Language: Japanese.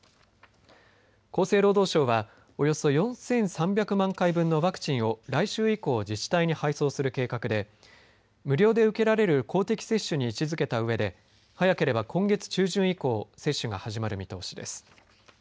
厚生労働省は、およそ４３００万回分のワクチンを来週以降自治体に配送する計画で無料で受けられる公的接種に位置づけたうえで早ければ今月中旬以降接種が始まる見通しです。